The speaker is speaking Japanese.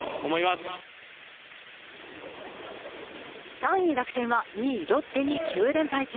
３位楽天は２位ロッテに９連敗中。